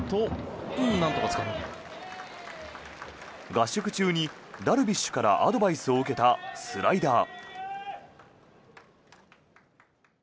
合宿中にダルビッシュからアドバイスを受けたスライダー。